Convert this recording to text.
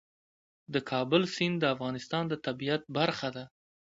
د کابل سیند د افغانستان د طبیعت برخه ده.